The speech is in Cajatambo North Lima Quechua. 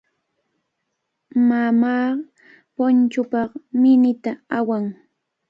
Mamaa punchuupaq minita awan.